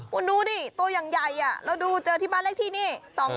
คุณดูดิตัวอย่างใหญ่เราดูเจอที่บ้านเลขที่นี่